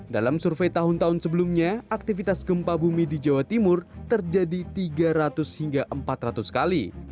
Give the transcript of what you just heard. dalam survei tahun tahun sebelumnya aktivitas gempa bumi di jawa timur terjadi tiga ratus hingga empat ratus kali